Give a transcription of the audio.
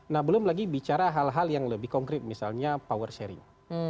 nah belum lagi bicara hal hal yang lebih konkret misalnya power sharing